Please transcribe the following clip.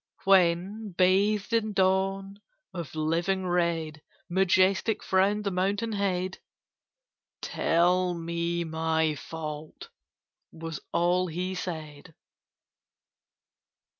When, bathed in Dawn of living red, Majestic frowned the mountain head, "Tell me my fault," was all he said.